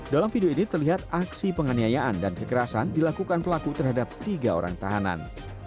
dalam video ini terlihat aksi penganiayaan dan kekerasan dilakukan pelaku terhadap tiga orang tahanan